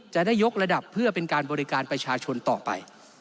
จะได้ยกระดับเพื่อเป็นการบริการประชาชนต่อไป